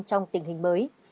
trong tình hình mới